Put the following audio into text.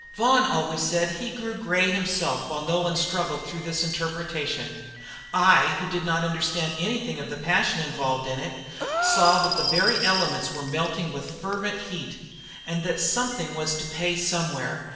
Vaughan always said he grew gray himself while Nolan struggled through this interpretation: I, who did not understand anything of the passion involved in it, saw that the very elements were melting with fervent heat, and that something was to pay somewhere.